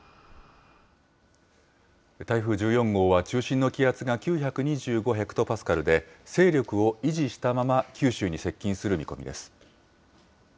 台風１４号は中心の気圧が９２５ヘクトパスカルで、勢力を維持したまま九州に接近する見込みです。